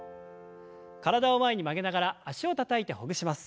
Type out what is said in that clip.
体を前に曲げながら脚をたたいてほぐします。